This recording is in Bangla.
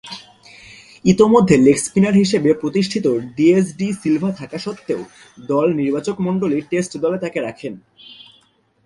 ইতোমধ্যে লেগ স্পিনার হিসেবে প্রতিষ্ঠিত ডিএস ডি সিলভা থাকা সত্ত্বেও দল নির্বাচকমণ্ডলী টেস্ট দলে তাকে রাখেন।